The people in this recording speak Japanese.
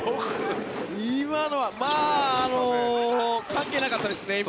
今のは関係なかったですね。